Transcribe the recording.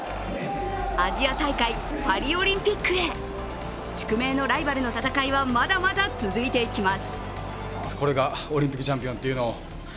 アジア大会、パリオリンピックへ宿命のライバルの戦いはまだまだ続いていきます。